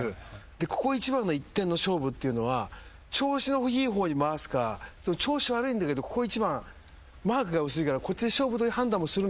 ここ一番の１点の勝負っていうのは調子のいい方に回すか調子悪いんだけどここ一番マークが薄いからこっちで勝負という判断もするんですよね。